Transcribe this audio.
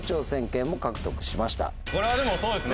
これはでもそうですね。